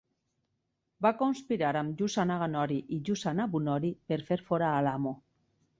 Va conspirar amb Yusa Naganori i Yusa Nobunori per fer fora a l'amo.